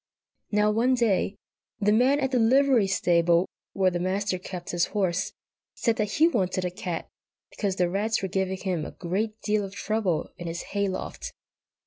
Now, one day, the man at the livery stable, where the Master kept his horse, said that he wanted a cat, because the rats were giving him a great deal of trouble in his hay loft.